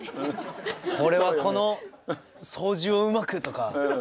俺はこの操縦をうまく！とか。